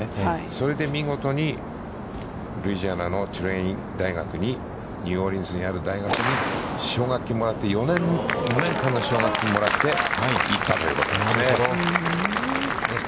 それで見事に、ルイジアナの大学にニューオリンズにある大学に、奨学金をもらって４年間の奨学金をもらって行ったということですね。